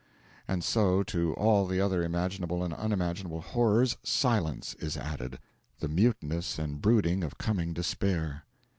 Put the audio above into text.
And so, to all the other imaginable and unimaginable horrors, silence is added the muteness and brooding of coming despair.